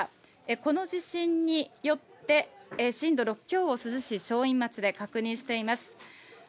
この地震によって震度６強を珠洲市しょういん町で確認しています。